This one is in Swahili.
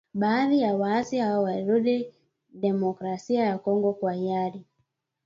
Baadhi ya waasi hao walirudi Demokrasia ya Kongo kwa hiari